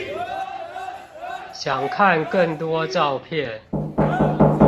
想看更多照片